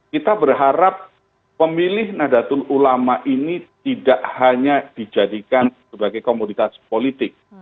kita berharap pemilih nadatul ulama ini tidak hanya dijadikan sebagai komoditas politik